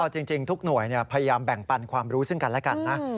จริงทุกหน่วยพยายามแบ่งปันความรู้ซึ่งกันและกันนะ